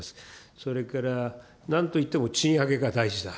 それから、なんといっても賃上げが大事だ。